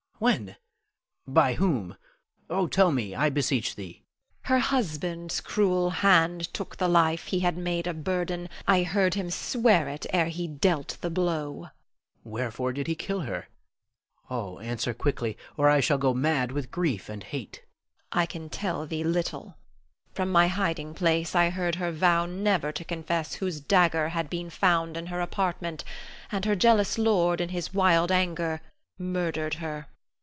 When? By whom? Oh, tell me I beseech thee! Norna. Her husband's cruel hand took the life he had made a burden. I heard him swear it ere he dealt the blow. Louis. Wherefore did he kill her? Oh, answer quickly or I shall go mad with grief and hate. Norna. I can tell thee little. From my hiding place I heard her vow never to confess whose dagger had been found in her apartment, and her jealous lord, in his wild anger, murdered her.